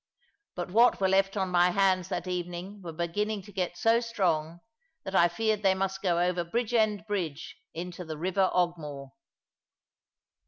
But what were left on my hands that evening were beginning to get so strong, that I feared they must go over Bridgend bridge into the river Ogmore.